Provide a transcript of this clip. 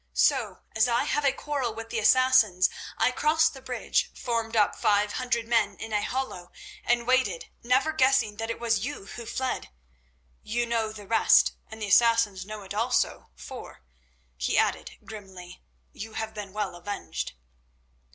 So, as I have a quarrel with the Assassins, I crossed the bridge, formed up five hundred men in a hollow, and waited, never guessing that it was you who fled. You know the rest—and the Assassins know it also, for," he added grimly, "you have been well avenged."